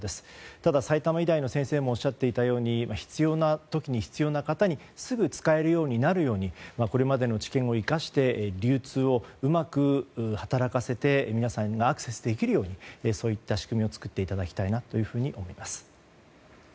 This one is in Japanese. ただ、埼玉医大の先生もおっしゃっていたように必要な時に必要な方にすぐ使えるようになるようにこれまでの治験を活かして流通をうまく働かせて皆さんにアクセスできるようにそういった仕組みを作っていただきたいと思います。